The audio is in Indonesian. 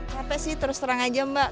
capek sih terus terang aja mbak